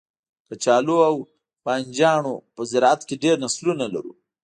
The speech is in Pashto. کچالو او بنجانو په زرعت کې ډیر نسلونه لرو